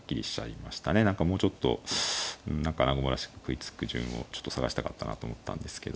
何かもうちょっと何か穴熊らしく食いつく順をちょっと探したかったなと思ったんですけど。